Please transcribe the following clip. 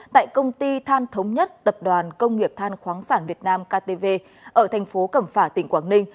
tại công ty than thống nhất tập đoàn công nghiệp than khoáng sản việt nam ktv ở thành phố cẩm phả tỉnh quảng ninh